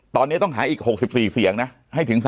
ตอนนี้ต้องหาอีก๖๔เสียงนะให้ถึง๓๗๖